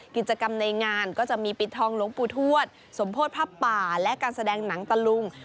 กิจกรรมในงานก็จะมีปิดทองหลวงปู่ทวดสมโพธิผ้าป่าและการแสดงหนังตะลุง